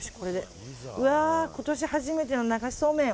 うわー、今年初めての流しそうめん。